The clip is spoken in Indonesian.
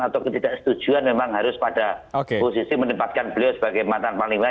atau ketidaksetujuan memang harus pada posisi menempatkan beliau sebagai mantan panglima